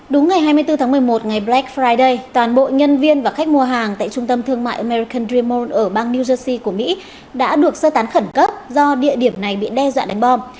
đúng ngày hai mươi bốn tháng một mươi một ngày black friday toàn bộ nhân viên và khách mua hàng tại trung tâm thương mại american dream mall ở bang new jersey của mỹ đã được sơ tán khẩn cấp do địa điểm này bị đe dọa đánh bom